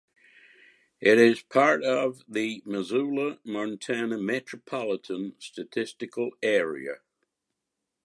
It is part of the Missoula, Montana Metropolitan Statistical Area.